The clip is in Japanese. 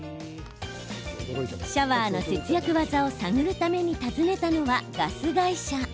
シャワーの節約技を探るために訪ねたのはガス会社。